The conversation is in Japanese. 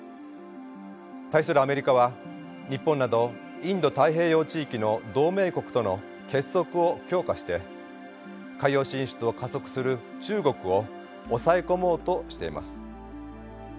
対するアメリカは日本などインド太平洋地域の同盟国との結束を強化して海洋進出を加速する中国を抑え込もうとしています。